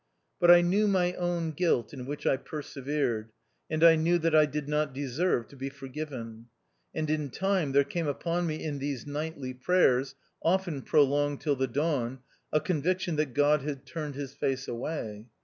But I knew my own guilt in which I persevered, and I knew that I did not deserve to be forgiven. And in time there came upon me in these nightly prayers — often prolonged till the dawn — a conviction that God had turned His face away.